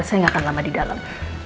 saya nggak akan lama di dalam